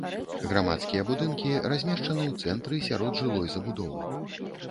Грамадскія будынкі размешчаны ў цэнтры сярод жылой забудовы.